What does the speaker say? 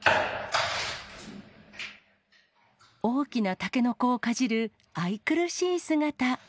大きなタケノコをかじる愛くるしい姿。